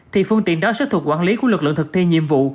thì phương tiện đó sẽ thuộc quản lý của lực lượng thực thi nhiệm vụ